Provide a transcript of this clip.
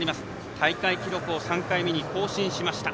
大会記録を３回目に更新しました。